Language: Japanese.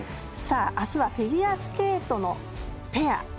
あすはフィギュアスケートのペア。